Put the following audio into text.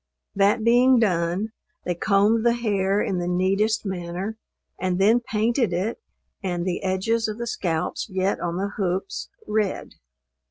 That being done they combed the hair in the neatest manner, and then painted it and the edges of the scalps yet on the hoops, red.